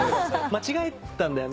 間違えてたんだよね。